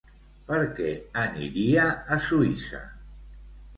Per què aniria a Suïssa?